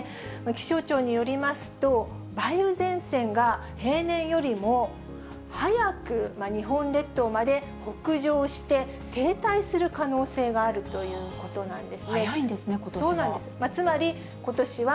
気象庁によりますと、梅雨前線が平年よりも早く日本列島まで北上して、停滞する可能性早いんですね、ことしは。